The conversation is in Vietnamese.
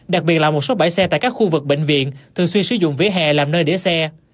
đặc biệt là một số bãi xe tại các khu vực bệnh viện thường xuyên sử dụng vỉa hè làm nơi để xe